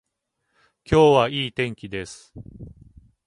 今日はいい天気です。